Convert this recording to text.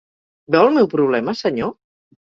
Veu el meu problema, senyor?